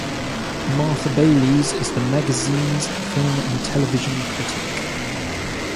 Martha Bayles is the magazine's film and television critic.